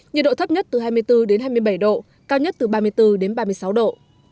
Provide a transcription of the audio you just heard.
nhiệt độ thấp nhất từ hai mươi bốn đến hai mươi bảy độ cao nhất từ ba mươi bốn đến ba mươi sáu độ